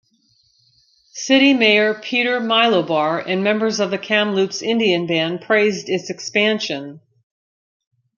City mayor Peter Milobar and members of the Kamloops Indian Band praised its expansion.